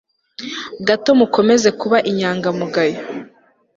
gato mukomeze kuba inyangamugayo